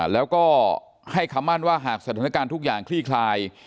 แล้วก็ให้คำมั่นว่าหากสถานการณ์ทุกอย่างคลี่คลาย